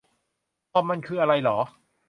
ทอม มันคืออะไรหรอ